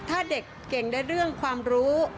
ถ้าเด็กเก่งในเรื่องความรู้